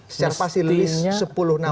secara pasti lebih sepuluh nama ini